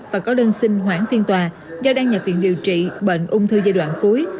và có đơn xin hoãn phiên tòa do đang nhập viện điều trị bệnh ung thư giai đoạn cuối